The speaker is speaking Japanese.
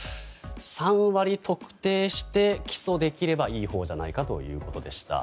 ３割特定して、起訴できればいいほうじゃないかということでした。